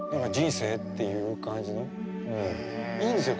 いいんですよ